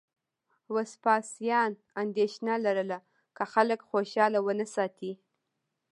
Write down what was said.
وسپاسیان اندېښنه لرله که خلک خوشاله ونه ساتي